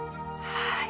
はい。